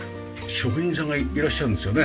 職人さんがいらっしゃるんですよね？